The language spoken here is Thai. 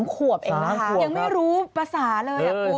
๓ขวบเองยังไม่รู้ภาษาเลยอะคุณ